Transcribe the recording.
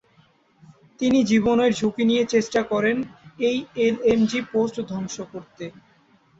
তিনি জীবনের ঝুঁকি নিয়ে চেষ্টা করেন ওই এলএমজি পোস্ট ধ্বংস করতে।